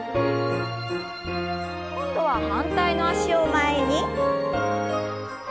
今度は反対の脚を前に。